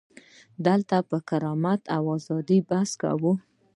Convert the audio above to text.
دلته پر کرامت او ازادۍ بحث کوو.